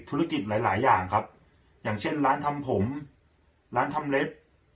ธุรกิจหลายหลายอย่างครับอย่างเช่นร้านทำผมร้านทำเล็บ